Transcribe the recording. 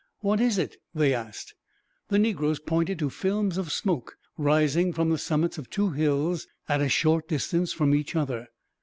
"What is it?" they asked. The negroes pointed to films of smoke, rising from the summits of two hills, at a short distance from each other.